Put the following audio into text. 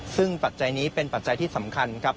ซึ่งปัจจัยนี้เป็นปัจจัยที่สำคัญครับ